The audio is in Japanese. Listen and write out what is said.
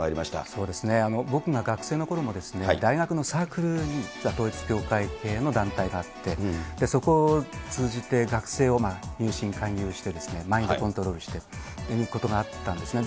そうですね、僕が学生のころも、大学のサークルに統一教会系の団体があって、そこを通じて学生を入信勧誘して、マインドコントロールしてということがあったんですね。